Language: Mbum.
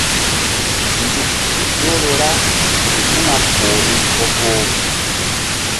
Nzuk si ƴohro ra fe su̧na poh ni po-poh.